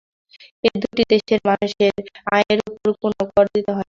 এ দুটি দেশের মানুষের আয়ের ওপর কোনো কর দিতে হয় না।